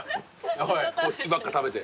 こっちばっか食べて。